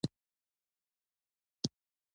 دا ستونزې د واحداتو مطابق کولو کې هم لیدل کېدې.